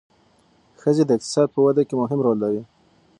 ښځې د اقتصاد په وده کې مهم رول لري.